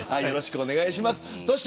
よろしくお願いします。